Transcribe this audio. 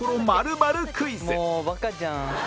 もうバカじゃん。